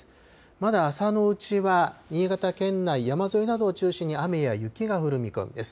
まだ朝のうちは新潟県内、山沿いなどを中心に雨や雪が降る見込みです。